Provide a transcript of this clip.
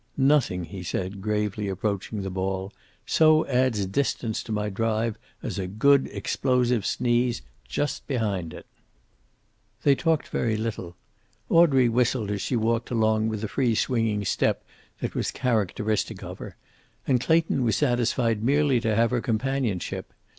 "Nothing," he said, gravely approaching his ball, "so adds distance to my drive as a good explosive sneeze just behind it." They talked very little. Audrey whistled as she walked along with the free swinging step that was characteristic of her, and Clayton was satisfied merely to have her companionship.